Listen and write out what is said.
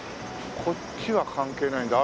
こっちは関係ないんだ。